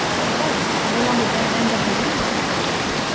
Thérèse no longer dared enter her room after dusk.